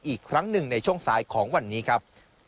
อีกครั้งหนึ่งในช่วงสายของวันนี้ครับ